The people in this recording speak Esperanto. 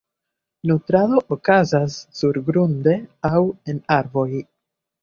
Nutrado okazas surgrunde aŭ en arboj.